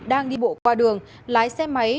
đang đi bộ qua đường lái xe máy